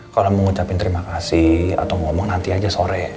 kalo mau ngucapin terima kasih atau ngomong nanti aja sore